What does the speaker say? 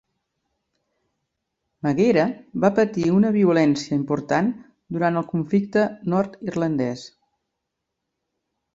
Maghera va patir una violència important durant el conflicte nord-irlandès.